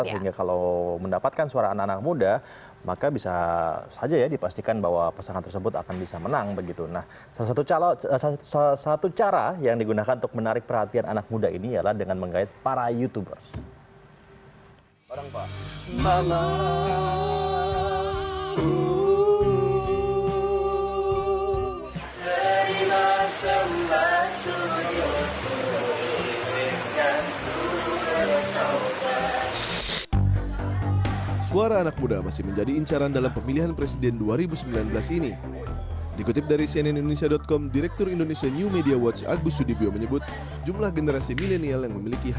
sehingga kalau mendapatkan suara anak anak muda maka bisa saja ya dipastikan bahwa pasangan tersebut akan bisa menang